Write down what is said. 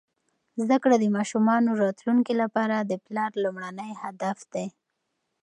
زده کړه د ماشومانو راتلونکي لپاره د پلار لومړنی هدف دی.